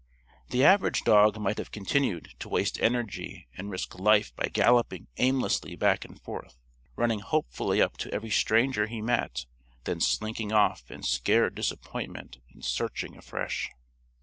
The average dog might have continued to waste energy and risk life by galloping aimlessly back and forth, running hopefully up to every stranger he met; then slinking off in scared disappointment and searching afresh.